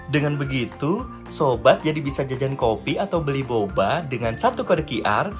dengan begitu sobat jadi bisa jajan kopi atau beli boba dengan satu kode qr